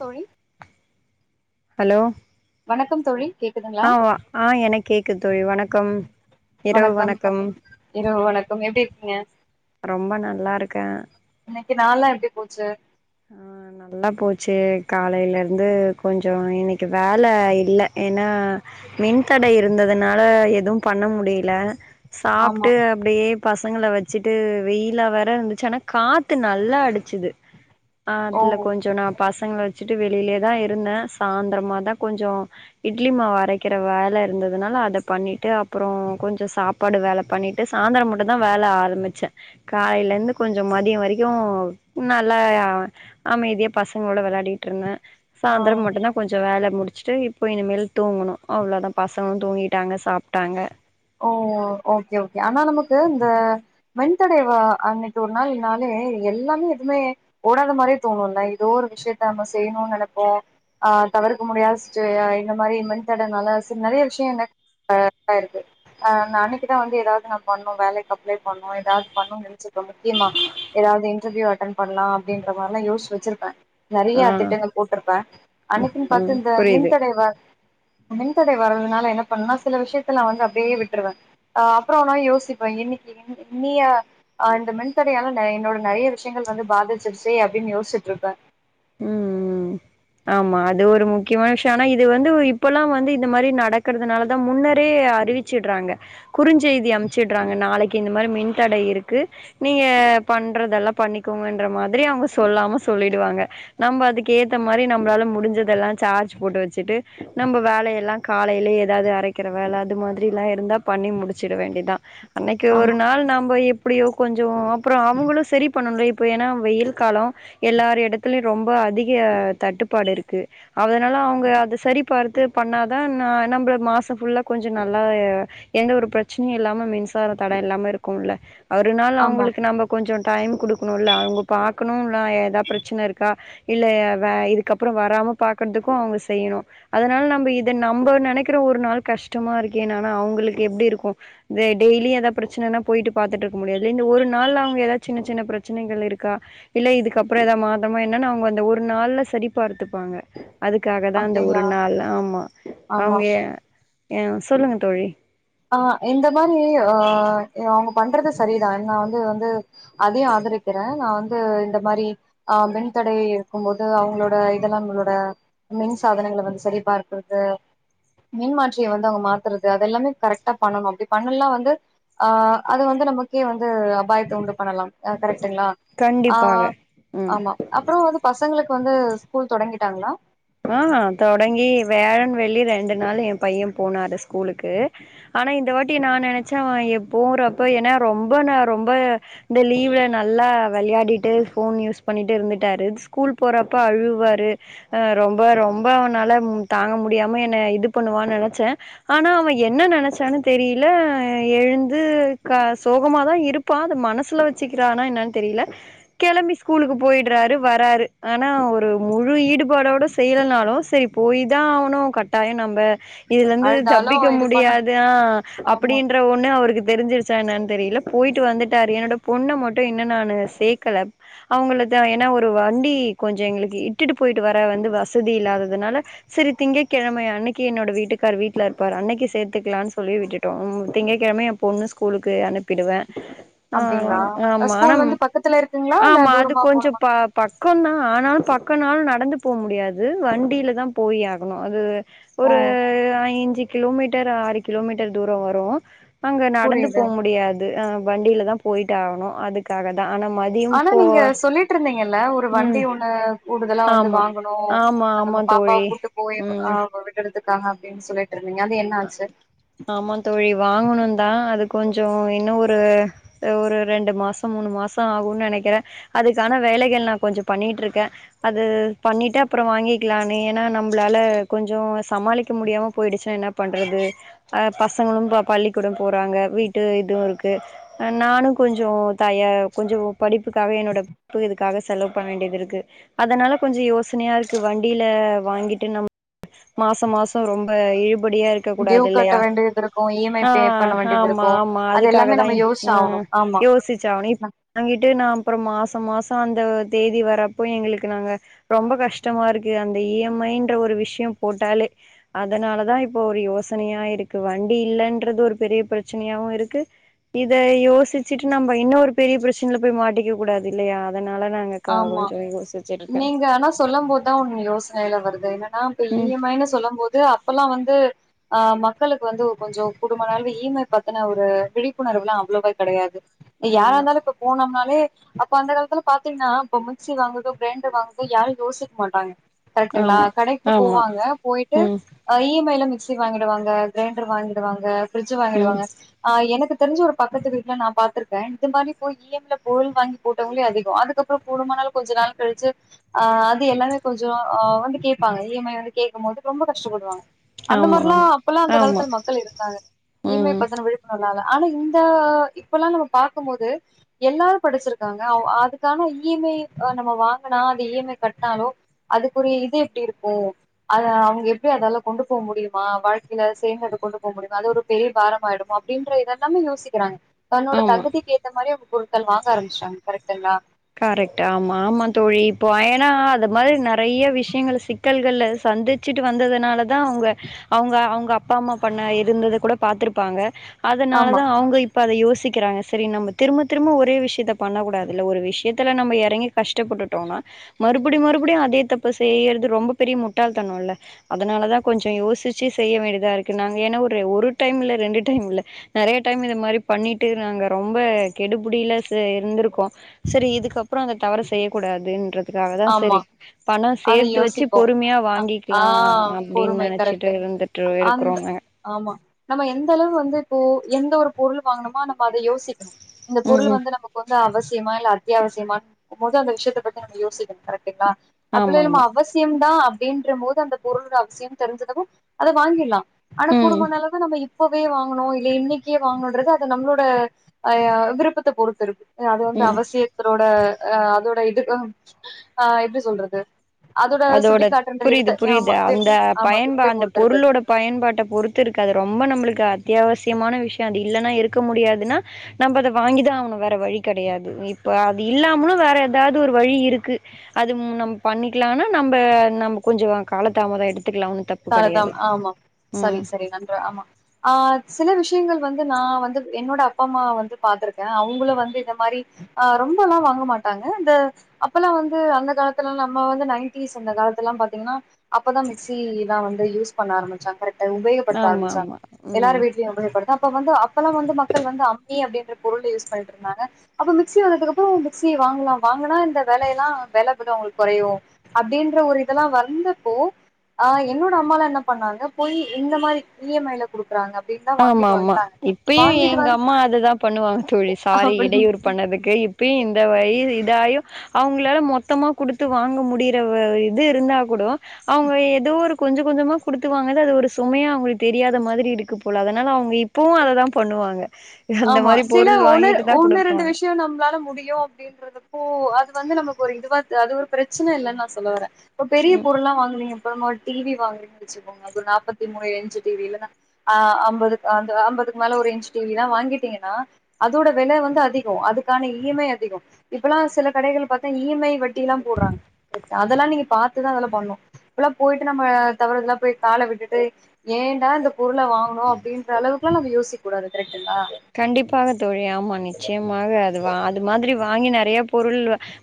தோழி ஹலோ வணக்கம் தோழி கேக்குதுங்களா ஆவ ஆ எனக் கேக்குது தோழி வணக்கம் வணக்கம் இரவு வணக்கம் எப்டி இருக்கீங்க ரொம்ப நல்லாருக்க இன்னக்கி நாள்ல்லா எப்டி போச்சு ல்லா போச்சு காலைலேர்ந்து கொஞ்சோ இன்னக்கி வேல இல்ல ஏனா மின்தடை இருந்ததுனால எது பண்ண முடிய்ல ஆமா சாப்ட்டு அப்டயே பசங்குள வெச்சுட்டு வெயிலா வேற இருந்தச்சு ஆனா காத்து நல்லா அடிச்சிது அ ஓ அதுல கொஞ்சோ நா பசங்ள வெச்சுட்டு வெளிலேதா இருந்த சாந்ரமாதா கொஞ்சோ இட்லி மாவு அரக்கிற வேல இருந்ததுனால அத பண்ணிட்டு அப்புறோ கொஞ்ச சாப் பாடு வேல பண்ணிட்டு சாந்தர மட்டுந்தா வேல ஆரமிச்ச காலைலேர்ந்து கொஞ்ச மதிய வரிக்கு நல்லா அமைதியா பசங்குளோட விளாடிகிட்ருந்த ஆ சாந்துர மட்டுந்தா கொஞ்ச வேல முடிச்சுட்டு இப்போ இனிமேல் தூங்குணு அவ்ளோதா பசங்ளு தூங்கிட்டாங்க சாப்ட்டாங்க ஓ ஓகே ஓகே ஆனா நமக்கு இந்த மின்தடை வ அன்னக்கிட்ட ஒரு நாள் நாலே எல்லாமே எதுமே ஓடாத மாரியே தோணுல இதோ ஒரு விஷ்யத்த நம்ப செய்ணு நெனப்போ அ தவிர்க்க முடியாத சுச்வே அ இந்த மாரி மின் தடைனால சரி நறைய விஷ்ய என்ன அ அ இருக்கு அ நா அன்னக்குதா வந்து எதாவ்து நா பண்ணு வேலைக் அப்ளே பண்ணு எதாவ்து பண்ணு நென்ச்சிர்ப முக்கியமா எதாவ்து இன்டர்யூ அட்டன் பண்லா அப்டின்ற மார்லா யோஷி வச்சிருப்ப ஆ நறியா திட்டங்கள் போட்ருப்ப அன்னக்கின் ம் பாத்து இந்த புரியுது மின்தடை வ மின்தடை வரதுனால என்ன பண்ணுனா சில விஷ்யத்தலா வந்து அப்டே விட்ருவ அ அப்றோ ஒர் நாள் யோசிப்ப என்னிக்கி இன்னது நீயா அ இந்த மின்தடையால டஎன்னோட நறைய விஷ்யங்கள் வந்து பாதிச்சிருச்சு அப்டின் யோஷ்ச்சுட்ருப்ப ம் ம் ம் ஆமா அது ஒரு முக்யமான விஷ்ய ஆனா இது வந்து இப்பொலா வந்து இந்த மரி நடக் குற்துனாலதா முன்னரே அறிவிச்சிட்றாங்க குறுஞ்செய்தி அம்ச்சுட்றாங்க நாளை கி இந்த மாரி மின்தடை இருக்கு நீங்க பண்றதெல்லா பண்ணிக்கோங்கன்ற மாத்ரி அவுங்க சொல்லாம சொல்லிடுவாங்க நம்ப அதுக்கு ஏத்த மாரி நம்ப்ளால முடிஞ்சதெல்லா சார்ஜ் போட்டு வச்சுட்டு நம்ப வேலை எல்லா காலைலே எதாது அரக்கிற வேல அது மாத்ரிலா இருந்தா பண்ணி முடிச்சிட வேண்டிதா அன்னக்கு ஒரு ஆமா நாள் நாம்ப எப்புடியோ கொஞ்சோ அப்புற அவுங்களு செரி பண்ணனுடே ஏனா வெய்யில் காலோ எல்லார் எடத்துலி ரொம்ப அதிக தட்டுப்பாடு இருக்கு அதனால அவுங்க அத சரி பார்த்து பண்ணாதா நா நம்ப்ள மாச ஃபுல்லா கொஞ்ச நல்லா எந்த ஒரு பிரச்சனையு இல்லாம மின்சார தடை இல்லாம இருக்கும்ல்ல அவ்ரு நாள் ஆமா அவ்ங்களுக்கு நம்ப கொஞ்சோ டைம் குடுக்கணுல்ல அவுங்க பாக்குணுல்ல ஏதா பிரச்சன இருக் கா இல்ல ய வே இதுக்கப்புற வராம பாக்கற்துக்கு அவுங்க செய்ணு அதனால நம்ப இத நம்ப நெனக்கிற ஒரு நாள் கஷ்ட்டமா இருக்கே ஆனா அவ்ங்களுக்கு எப்டி இருக்கு தே இந்த டெய்லி எதா பிரச்சனன்னா போயிட்டு பாத்துட்ருக்க முடியாது இந்த ஒரு நாள்ல அவ்ங்க எதா சின்ன சின்ன பிரச்சனைகள் இருக்கா இல்ல இதுக்கப்புற எதா மாதமா என்னன் அவ்ங்க அந்த ஒரு நாள்ல சரி பார்த்துப்பாங்க அதுக்காக தா அந்த அப்டிங்களா ஒரு நாள் ஆமா ஆமா அவுங்க ஏ சொல்லுங்க தோழி ஆ இந்த மாரி ஆ அவுங்க பண்றது சரிதா நா வந்து வந்து அதியு ஆதரிக்கிற நா வந்து இந்த மாரி ஆ மின்தடை இருக்கும்மோது அவ்ங்ளோட இதல்லாங்குளோட மின் சாதனங்கள வந்து சரிபார்க்குற்து மின் மாற்றிய வந்து அவ்ங்க மாத்துறது அதெல்லாமே கரெக்ட் டா பண்ணனு அப்டி பண்ணல்னா வந்து ஆ அது வந்து நமக்கே வந்து அபாயத்த உண்டு பண்ணலா ஆ கரெக்டுங்களா ஆ கண்டிப்பாக ம் ஆமா அப்புறோ வந்து பசங்களுக்கு வந்து ஸ்கூல் தொடங்கிட்டாங்களா ஆ தொடங்கி வியாழன் வெள்ளி ரெண்டு நாளு ஏன் பையன் போனாரு ஸ்கூலுக்கு ஆனா இந்த வாட்டி நா நெனைச்சே ஏ போறப்ப ஏனா ரொம்ப நா ரொம்ப இந்த லீவ்ல நல்லா வெளையாடிட்டு ஃபோன் யூஸ் பண்ணிட்டு இருந்துட்டாரு ஸ்கூல் போறப்ப அழுவாரு அ ரொம்ப ரொம்ப அவனால தாங்க முடியாம என்ன இது பண்ணுவானு நெனச்ச ஆனா அவன் என்ன நெனச்சானு தெரியல எழுந்து கா சோகமாதா இருப் பான் அது மனசுல வச்சுக்கிறானா என்னனு தெரியல கெளம்பி ஸ்கூலுக்கு போயிடுறாரு வராரு ஆனா ஒரு முழு ஈடுபாடோட செய்யலனாலு சரி போயி தா ஆகணு கட்டாயோ நம்ப இதுல இருந்து அழுதாலு தப்பிக்க இது பண்ண முடியாதா ஆமா அப்டின்ற ஒன்னு அவருக்கு தெரிஞ்சிரு ச்சா என்னு தெரியல போயிட்டு வந்துட்டாரு என்னோட பொண்ண மட்டு இன்னு நானு சேக்கல அவுங்கள த ஏனா ஒரு வண்டி கொஞ்சோ எங்களுக்கு இட்டுட்டு போயிட்டு வர வந்து வசதி இல்லாததுனால சரி திங்கக்கெழமை அன்னைக்கி என்னோட வீட்டுக்கார் வீட்ல இருப்பாரு அன்னைக்கி சேர்த்துக்கலானு சொல்லி விட்டு ட்டோம் திங்ககெழம ஏன் பொண்ணு ஸ்கூலுக்கு அனுப்பிடுவே ஆ அப்டிங்களா ஆமா ஆனா ஸ்கூல் வந்து பக்கத்துல இருக்குங்களா இல்ல ஆமா அது தூரமா போனு கொஞ்சோ பா பக்கந்தா ஆனாலு பக்கனாலு நடந்து போக முடியாது வண்டியில தா போய் ஆகணு அது ஓ ஒரு ஐஞ்சு கிலோமீட்டர் ஆறு கிலோமீட்டர் தூரம் வரு அங்க நடந்து புரியுது போ முடியாது ஆர வண்டியில தா போயட்டு ஆகணு அதுக்காக தா ஆனா ம ஆனா நீங்க சொல்லிட்டு இருந்தீங்கல்ல ஒரு வண்டி ம் ஒன்னு கூடுதலா வந்து ஆமா வாங்கணு ஆ ஆமா அது ஆமா நம்ம பாப்பாவ தோழி கூட்டு போய் ம் அ விடுறதுக்காங்க அப்டின் சொல்லிட்ருந்தீங்க அது என்ன ஆச்சு ஆமாங் தோழி வாங்கணுந்தா அது கொஞ்சோ இன்னு ஒரு ஒரு ரெண்டு மாசோ மூணு மாசோ ஆகுனு நெனைக்கிறே அதுக்கான வேலைகள் நா கொஞ்சோ பண்ணிட்ருக்கே அது பண்ணிட்டு அப்றோ வாங்கிக்கலானேனு ஏனா நம்ளால கொஞ்சோ சமாளிக்க முடியாம போயிடுச்சுன்னா என்ன பண்றது அ பசங்களு பள்ளிக்கூடம் போறாங்க வீட்டு இதுவு இருக்கு நானு கொஞ்சோ தய கொஞ்சோ படிப்புக்காக என்னோட இப்போ இதுக்காக செலவு பண்ண வேண்டியதுருக்கு அதனால கொஞ்சோ யோசனையா இருக்கு வண்டியில வாங்கிட்டு நம்ம மாசம் மாசோ ரொம்ப இழுபடியா இருக் டியூ இருக்ககூடாது கட்ட இல்லையா வேண்டியது இருக்கு இ எம் ஐ ஆ பே பண்ண வேண்டியது ஆமா இருக்கு ஆமா அது அதுக்காக எல்லாமே தா நம்ம யோசிச்சு ஆகணு ம் ஆமா யோசிச்சவனே அங்கிட்டு நா அப்றோ மாசம் மாசோ அந்த தேதி வரப்போ எங்களுக்கு நாங்க ரொம்ப கஷ்டமா இருக்கு அந்த இ எம் ஐ ன்ற ஒரு விஷ்யம் போட்டாலே அதனாலதா இப் போ ஒரு யோசனையா இருக்கு வண்டி இல்லன்றது ஒரு பெரிய பிரச்சனயாவு இருக்கு இத யோசிச்சுட்டு நம்ம இன்னு ஒரு பெரிய பிரச்சனைல போய் மாட்டிக்க கூடாது இல்லையா அதனால நாங்க கா ஆமா கொஞ்சோ யோசிச்சிருக்கே நீங்க ஆனா சொல்லம் போது எதோ ஒன்னு யோஸ்னைல வருது என்னன்னா இப்ப இ ம் எம் ஐ ன்னு சொல்லம் போது அப்பெல்லா வந்து ஆ மக்களுக்கு வந்து கொஞ்சோ குடும்ப நலவு இ எம் ஐ பத்துன ஒரு விழிப்புணர்வுல்லா அவ்ளவா கெடையாது யாரா ஆமா இருந்தாலு இப்ப போனம்னாலே அப்ப அந்த அளவுக்குலா பா த்துனா இப்ப மிக்சி வாங்குறது கிரைண்டர் வாங்கறது யாரு யோசிக்க மாட்டாங்க கரெக்டுங்களா ஆமா கடைக்கு ஆமா போவாங்க போயிட்டு ம் ஆ இ எம் ஐ ல மிக்சி வாங்கிடுவாங்க கிரைண்டர் வாங்கிடுவாங்க ஃப்ரிட்ஜ் ம் வாங்கிடுவாங்க ஆ எனக்கு தெரிஞ்சு ஒரு பக்கத்து வீட்ல நா பாத்திருக்கே இது மாரி போய் இ எம் ஐ ல பொருள் வாங்கி போட்டவங்களே அதிகோ அதுக் அதுக்கப்றோ கூடுமான நாள் கொஞ்ச நாள் கழிச்சு ஆ அது எல்லாமே கொஞ்சோ ஆ வந்து கேப்பாங்க இ எம் ஐ வந்து கேக்கு போது ரொம்ப கஷ்டப்படுவாங்க அந்த ஆமா மாரிலா ஆமா அப்பல்லா அந்த ஆமா காலத்துல மக்கள் இருந்தாங்க ஈமை ம் பத்தன்ன விழிப்புணர்வ்னால ஆனா இந்த இப்பெல்லா நம்ம பாக்குபோது எல்லாரு படிச்சிருக்காங்க அவ் அது க்கான இ எம் ஐ ஆ நம்ம வாங்குனா அந்த இ எம் ஐ கட்னாலோ அதுக்குரிய இது எப்டி இருக்கு அத அவுங்க எப்டி அதலா கொண்டு போ முடியுமா வாழ்க்கைல சேங்கர்த கொண்டு போ முடியுமா அது ஒரு பெரிய பாரமாயிடு அப்டின்ற இதெல்லாமே யோசிக்கிறாங்க தன்னோட ஆமா தகுதிக்கு ஏத்த மாரி அவங்க பொருட்கள் வாங்க ஆரம்ச்டாங்க கரெக்டுங்களா கரெக்டு ஆமா ஆமா தோழி இப்ப ஏனா அது [unintelligible] மாரி நெறையா விஷயங்கள்ல சிக்கல்கள்ல சந்திச்சிட்டு வந்ததுனால தா அவுங்க அவுங்க அவுங்க அப் அப்பா அம்மா பண்ண இருந்தத கூட பாத்துருப்பாங்க அதனால ஆமா தா அவங்க இப் ப அத யோசிக்கிறாங்க சரி நம்ம திரும்ப திரும்ப ஒரே விஷயத்த பண்ணக்க கூடாதில்ல ஒரு விஷ இதுல நம்ம எறங்கி கஷ்டப்பட்டுட்டோனா மறுபடி மறுபடியு அதே தப்ப செய்யறது ரொம்ப பெரிய முட்டாள் தனம்ல்ல அதனாலதா கொஞ்சோ யோசிச்சு செய்ய வேண்டியதா இருக்கு நாங்க ஏன்னா ஒரு ஒரு டைம் இல்ல ரெண்டு டைம் இல்ல நெறைய டைம் இத மாறி பண்ணிட்டு நாங்க ரொம்ப கெடுபுடியில செ இருந்திருக்கோ செரி இதுக்கப்பறோ அந்த தவற செய்ய கூடாதுன்றதுக்காக தான்க் ஆமா செரி பணம் அத சேர்த்து வச்சு யோசிப்போ பொறுமையா அ ஆ வாங்கிக்கலா அப்டின்னு பொறுமை கரெக்ட் நெனைச்சிட்டு இருந்துட்டுகரூகக்ஷக் அந்த இருக்கிறோங்க ஆமா நம்ம எந்த அளவு வந்து இப்போ எந்த ஒரு பொருளு வாங்கணுமோ அந்த நம்ம அத யோசிக்குணு இந்த ம் பொருளு ம் வந்து நமக்கு வந்து அவசியமா இல்ல அத்தியாவசியமா போது அந்த விஷியத்த பத்தி நம்ம யோசிக் கரெட்டுங்க்ளா அப்டிலா ஆமா இல்ல நம்ம ஆமா அவ சியம்தா அப்டின்றம்போது அந்த பொருள் அவசியம் தெரிஞ்சிதவு அத வாங்கிட்லா ஆனா ம் கூடுமான அளவு நம்ம இப் அப்பவே வாங்கணு இல்ல இன்னைக்கே வாங்கணுன்றது அது நம்மளோட அ விருப்பத்த பொறுத்து இருக்கு அது வந்து ம் அவசியத்ரோட அ அதோட இது ஆ ஆ எப்டி சொல்றது அதோட சுட்டிக்காட்டுன்ற புரியுது எடுத்து புரியுது ஆமா அந்த [unintelligible] ஆமா பயன்பா [unintelligible] அந்த பொறுத்து இருக்கு பொருளோட பயன்பாட்ட பொறுத்து இருக்கு அது ரொம்ப நம்மளுக்கு அத்தியாவசியமான விஷியோ அது இல்லன்னா இருக்க முடியாதுன்னா நம்ம அத வாங்கிதா ஆகணு வேற வழி கெடையாது இப்ப அது இல்லாம வேற ஏதாவுது ஒரு வழி இருக்கு அது ம் நம்ம பண்ணிக்லானா நம்ப நம்ம கொஞ்சோ காலத் தாமதோ எடுத்துக்குலா [unintelligible] ஆமா சரி சரி நன்று ஆமா ஆ சில விஷியங்கள் வந்து நா வந்து என்னோட அப்பா அம்மாவ வந்து பாத்துருக்க அவுங்களு வந்து இந்த மாரி ஆ ரொம்பலா வாங்க மாட்டாங்க இந்த அப்பல்லா வந்து அந்த காலத்துல நம்ம வந்து நைன்டிஸ் அந்த காலத்துலா பாத்தீங்கன்னா அப்பதா மிக்சி தா வந்து யூஸ் பண்ண ஆரம்மிச்சாங்க கரேக்ட உபயோப்படுத்த ஆமா ஆரம்பிச்சாங்க ஆமா எல்லார் ம் வீட்லியு பயோப்படுத்த அப்ப வந்து அப்பெல்லா வந்து மக்கள் வந்து அம்மி அப்டின்ற பொருள யூஸ் பண்ணிட்டு இருந்தாங்க அப்ப மிக்சி வந்ததுக்குப்புறோ மிக்சி வாங்கலா வாங்குனா இந்த வேலையெல்லா வேல கூட உங்களுக்கு கொறையு அப்டின்ற ஒரு இதெல்லா வந்தப்போ ஆ என்னோட அம்மால என்ன பண்ணாங்க போய் இந்த மாதிரி இ எம் ஐல போ குடுக்றாங்க அப்டின்னா ஆமாமா இப்பயு எங்க அம்மா அததா பண்ணுவாங்க தோழி சாரி அப்டிங்க இடையூறு பண்ணதுக்கு இப்பெயு இந்த வயது இதாயு அவங்களால மொத்தமா குடுத்து வாங்க முடியற வ இது இருந்தா கூடோ அவங்க ஏதோ ஒரு கொஞ்ச கொஞ்சமா குடுத்து வாங்கற்து அது ஒரு சுமையா அவுங்களுக்கு தெரியாத மாதிரி இருக்கு போ ல அதனால அவங்க இப்பவு அததா பண்ணுவாங்க அந்த ஆமா மாரி சில பொருள் ஒன்னு வாங்கிட்டு தா ஒன்னு ரெண்டு குடுப்பாங்க விஷியோ நம்மளால முடியு அப்டின்றதுப்போ அது வந்து நமக்கு ஒரு இதுவா அது ஒரு பிரச்சன இல்லன்னு நா சொல்ல வறே இப்ப பெரிய ம் பொருள்ல்லாம் வாங்குவீங்க டி வி வாங்குறீங்கச்சு [unintelligible] நாற்பத்தி மூணு இஞ்சு டி வி இல்லனா அம்பது அம்பதுக்கு மேல ஒரு இஞ்சு டி வி தான் வாங்கி கேட்டீங்கன்னா அதோட வெலை வந்து அதிகம் அதுக்கான இ எம் ஐ அதிகம் இப்பல்லாம் சில கடைகள் பாத்தா இ எம் ஐ வட் ட்டிலாம் போறாங்க அதெல்லாம் நீங்க பாத்து தான் அதெல்லாம் பண்ணும் அப்பல்லாம் போயிட்டு நம்ம தவறுதெலாம் போய் கால விட்டுட்டு ஏன்டா இந்த பொருள வாங்ணோ அப்டின்ற அளவுக்கெல்லாம் நம்மயோசிக்க கூடாது கரெக்டுங்களா கண்டிப்பாக தோழி ஆமாம் நிச்சயமாக அது வா அது மாதிரி வாங்கி நெறைய பொருள்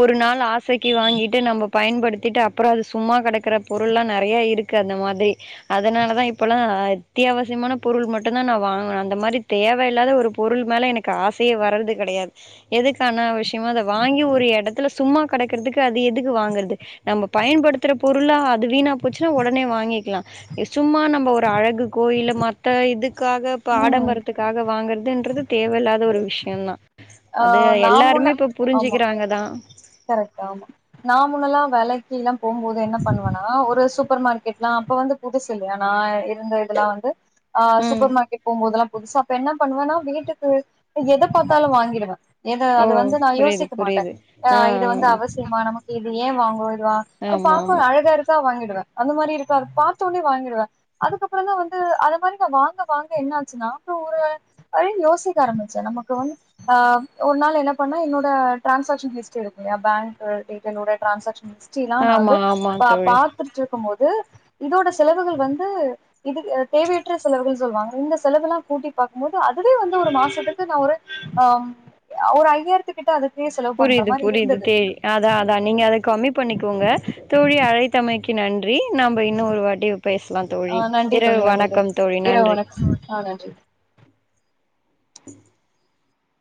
ஒரு நாள் ஆசைக்கு வாங்கிட்டு நம்ம பயன்படுத்திட்டு அப்றோ அது சும்மா கெடக்கிற பொருள்லாம் நெறைய இருக்குது அந்த மாதிரி அதனால தான் இப்பெல்லாம் அத்தியாவசியமான பொருள் மட்டும் தான் நான் வாங்கணும் அந்த மாதிரி தேவ தேவ இல்லாத ஒரு பொருள் மேல எனக்கு ஆசையே வர்றது கெடையாது எதுக்கு அனா விஷயமா அத வாங்கி ஒரு எடத்துல சும்மா கெடைக்கறதுக்கு அது எதுக்கு எதுக்கு வாங்கறது நம்ம பயன்படுத்துற பொருளா அது வீணா போச்சுன்னா ஒடனே வாங்கிக்கலாம் சும்மா நம்ம ஒரு அழகுக்கோ இல்ல மத்த இதுக்காக இப்ப ம் ஆடம்பரத்துக் க்காக வாங்கறதுன்றது தேவயில்லாத ஒரு விஷயம் தான் ஆ அத நா முன்ன எல்லாருமே இப்ப ஆமா புரிஞ்சுக்கிறாங்க தான் கரெக்ட் ஆமா நா முன்னெலாம் வேலைக்குலாம் போகும்போது என்ன பண்ணுவெனா ஒரு சூப்பர் மார்கெ அப்ப வந்து புதுசு இல்லயா நா இருந்த இதுலாம் வந்து ஆ ம் சூப்பர் மார்க்கெட் போகும்போதுலாம் புதுசா இப்ப என்ன பண்ணுவேன்னா வீட்டுக்கு எத பாத்தாலும் வாங்கிடுவேன் எத ஓ அத வந்து நா புரியுது யோசிக்க மாட்டேன் புரியுது ஆ இது வந்து அவசியமா நமக்கு இது ஏன் வாங்குனும் இத ஆமா பாக்க ஆமா அழகா இருக் சுனா வாங்கிடுவேன் அந்த மாரி இருக்க அத பாத்தோனே வாங்கிடுவேன் அதுக்கப்பறம் தான் வந்து அத மாறி நான் வாங்க வாங்க என்ன ஆச்சுன்னா அப்றோ ஒரு அதே யோசிக்க ஆரம்ச்சேன் நமக்கு வந்து ஆ ஒரு நாள் என்ன பண்ணே என்னோட டிரான்சாக்ஷன் ஹிஸ்ட் ட்ரி எடுக்கைலயா பேங்க் டீட்டைல் டிரான்சாகஷன் ஹிஸ்ட்ரி எல்லாம் நா ஆமா வந்து ஆமா தோழி பாத்து ருக்கும் போது இதோட செலவுகள் வந்து இது தேவயற்ற செலவுகள் சொல்லுவாங்க இந்த செலவெலாம் கூட்டி பாக்கும்போது அதுவே வந்து ஒரு மாசத்துக்கு நா ஒரு ஆ ஒரு ஐயாயிரத்து கிட்ட அதுக்கே செலவு பண்ணே புரியுது புரியுது தேய் அதான் அதான் நீங்க அத கம்மி பண்ணிக்கோங்க தோழி அழை த்தமைக்கு நன்றி நம்ப இன்னும் ஒரு வாட்டி பேசலாம் தோழி ஆ நன்றி இரவு தோழி நன்றி வணக்கம் தோழி இரவு நன்றி வணக்கம் ஆ நன்றி [inaudible]